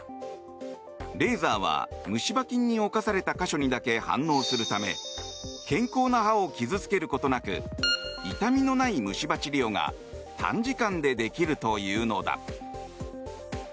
レーザーは虫歯菌に侵された箇所にだけ反応するため健康な歯を傷つけることなく痛みのない虫歯治療が短時間でできるというのだ。